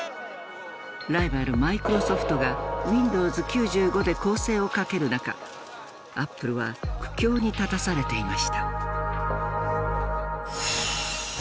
ライバルマイクロソフトがウィンドウズ９５で攻勢をかける中アップルは苦境に立たされていました。